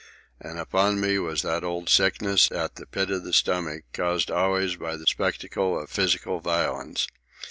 And upon me was that old sickness at the pit of the stomach, caused always by the spectacle of physical violence.